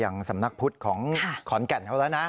สำนักพุทธของขอนแก่นเขาแล้วนะ